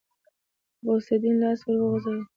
غوث الدين لاس ور وغځاوه.